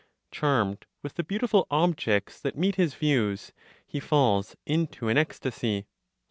Charmed with the beautiful objects that meet his views, he falls into an ecstasy.